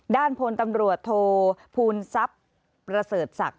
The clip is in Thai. ด้านพลตำรวจโทพูลทรัพย์ประเสริฐศักดิ